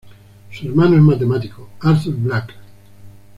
Su hermano es matemático Artur Black.